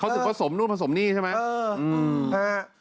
นึกผสมนู่นผสมนี่ใช่ไหม